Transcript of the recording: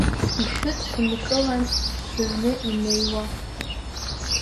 Ишәыдшәымкылан, шәыҩны ианнеиуа.